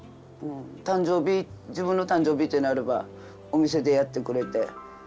誕生日自分の誕生日ってなればお店でやってくれて。